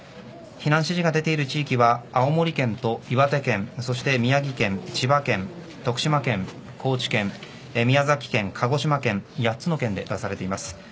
避難指示が出ている地域は青森県と岩手県、そして宮城県千葉県、徳島県、高知県宮崎県、鹿児島県８つの県で出されています。